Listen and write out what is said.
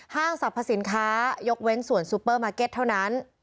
สรรพสินค้ายกเว้นส่วนซูเปอร์มาร์เก็ตเท่านั้น